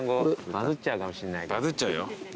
バズっちゃうよ。